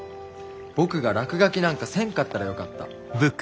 僕が落書きなんかせんかったらよかった。